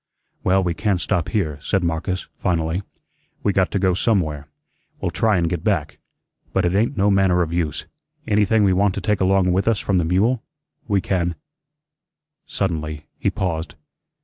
"Well, we can't stop here," said Marcus, finally; "we got to go somewhere. We'll try and get back, but it ain't no manner of use. Anything we want to take along with us from the mule? We can " Suddenly he paused.